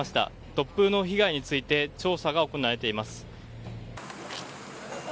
突風の被害について調査が行われています。